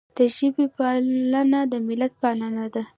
د ژبې پالنه د ملت پالنه ده.